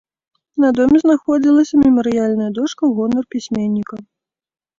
На доме знаходзілася мемарыяльная дошка ў гонар пісьменніка.